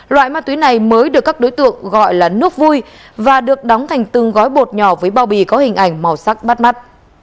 loại ma túy này mới được các đối tượng gọi là nước vui và được đóng thành từng gói bột nhỏ với bao bì có hình ảnh màu sắc bắt mắt